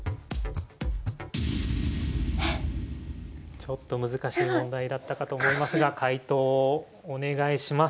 ちょっと難しい問題だったかと思いますが解答をお願いします。